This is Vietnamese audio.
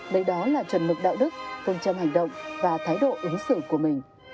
đấy đó là chuẩn mực đạo đức cung trâm hành động và thái độ ứng xử của mình